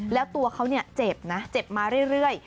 แล้วตัวเขาเจ็บนะเจ็บมาเรื่อย